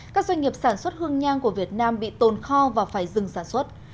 các doanh nghiệp sản xuất hương nhang của việt nam bị tồn kho và phải dừng sản xuất